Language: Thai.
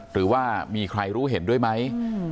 หรือว่ามีใครรู้เห็นด้วยไหม